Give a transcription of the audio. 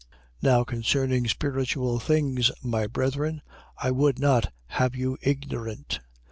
12:1. Now concerning spiritual things, my brethren, I would not have you ignorant.